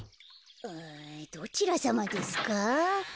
あどちらさまですか？